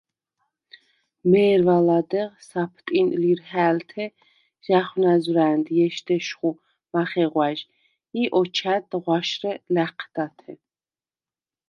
მე̄რვა ლადეღ საფტინ ლირჰა̄̈ლთე ჟ’ა̈ხვნა̈ზვრა̄̈ნდ ჲეშდეშხუ მახეღვა̈ჟ ი ოჩა̈დდ ღვაშრე ლა̈ჴდათე.